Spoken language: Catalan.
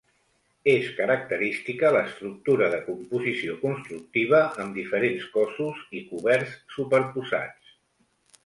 És característica l'estructura de composició constructiva amb diferents cossos i coberts superposats.